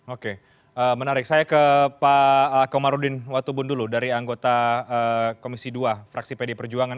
oke menarik saya ke pak komarudin watubun dulu dari anggota komisi dua fraksi pd perjuangan